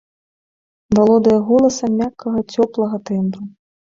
Валодае голасам мяккага цёплага тэмбру.